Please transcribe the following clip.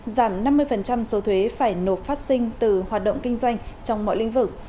giảm năm mươi số thuế phải nộp phát sinh từ hoạt động kinh doanh trong mọi lĩnh vực